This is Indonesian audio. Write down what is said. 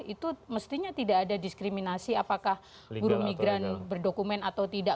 itu mestinya tidak ada diskriminasi apakah buruh migran berdokumen atau tidak